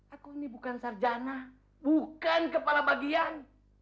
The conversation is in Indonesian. aku ini bukan sarjana bukan kepala bagian